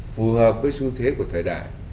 phù hợp với xu thế của thời đại